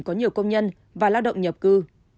có nhiều công nhân và lao động nhập cư